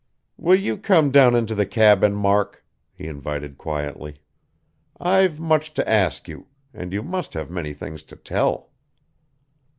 "Will you come down into the cabin, Mark?" he invited quietly. "I've much to ask you; and you must have many things to tell."